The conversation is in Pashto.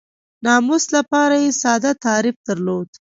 ناموس لپاره یې ساده تعریف درلود.